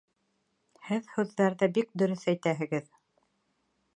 Һеҙ һүҙҙәрҙе бик дөрөҫ әйтәһегеҙ